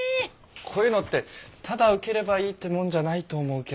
こういうのってただ受ければいいってもんじゃないと思うけど。